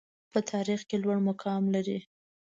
په تاریخ کې لوړ مقام لري.